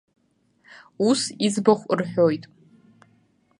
Ус иӡбахә рҳәоит.